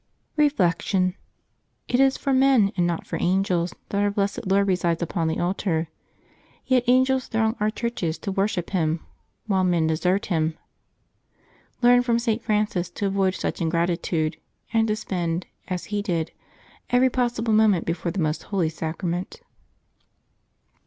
Reflection. — It is for men, and not for angels, that our blessed Lord resides upon the altar. Yet angels throng our churches to worship Him while men desert Him. Learn from St. Francis to avoid such ingratitude, and to spend, as he did, every possible moment before the Most Holy Sacrament.